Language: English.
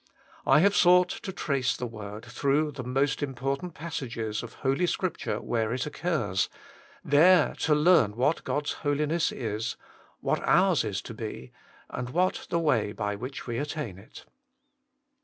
I have sought to trace the word through some of the most important passages of Holy Scripture where it occurs, there to learn what God's holiness is, what ours is to be, and what the way by which we attain it.